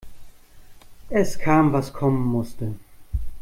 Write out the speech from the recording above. Es kam, was kommen musste.